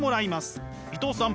伊藤さん